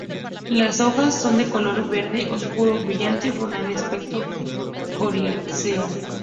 Las hojas son de color verde oscuro brillante, follaje de aspecto coriáceo.